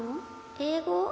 英語？